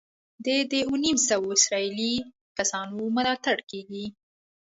د دې اووه نیم سوه اسرائیلي کسانو ملاتړ کېږي.